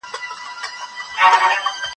ماتيږي مې بنگړي، ستا په لمن کې جنانه